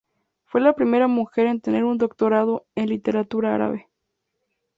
Fue la primera mujer en tener un doctorado en Literatura árabe.